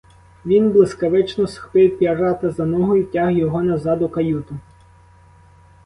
Він блискавично схопив пірата за ногу і втяг його назад у каюту.